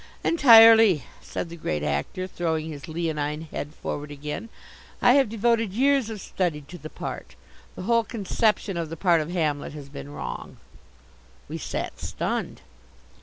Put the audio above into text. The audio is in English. "Entirely," said the Great Actor, throwing his leonine head forward again. "I have devoted years of study to the part. The whole conception of the part of Hamlet has been wrong." We sat stunned.